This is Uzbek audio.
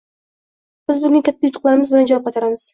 Biz bunga katta yutuqlarimiz bilan javob qaytaramiz.